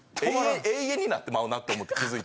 永遠になってまうなって気づいて。